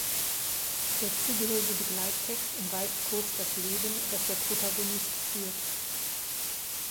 Der zugehörige Begleittext umreißt kurz das Leben, das der Protagonist führt.